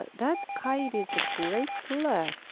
That kite is a great puller!"